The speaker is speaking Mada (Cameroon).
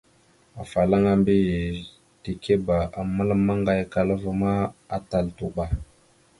Afalaŋa mbiyez tikeba a məlam maŋgayakala ma, atal tuɓa.